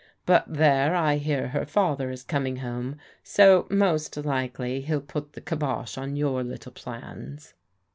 But there, I hear her father is coming home, so most likely he'll put the kybosh on your little plans."